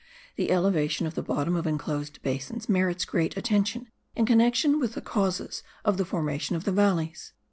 The elevation of the bottom of enclosed basins merits great attention in connection with the causes of the formation of the valleys.